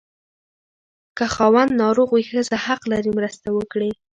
که خاوند ناروغ وي، ښځه حق لري مرسته وکړي.